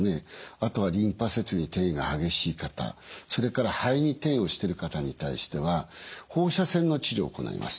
あとはリンパ節に転移が激しい方それから肺に転移をしている方に対しては放射線の治療を行います。